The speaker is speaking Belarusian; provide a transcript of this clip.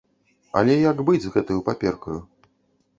Але як быць з гэтаю паперкаю?